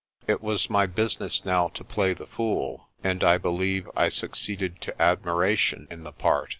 It was my business now to play the fool, and I believe I succeeded to admiration in the part.